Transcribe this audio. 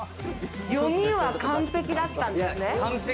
読みは完璧だったんですね。